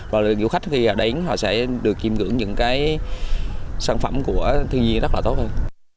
và dù khách khi đến họ sẽ được kiêm cưỡng những cái sản phẩm của thương nhiên rất là tốt hơn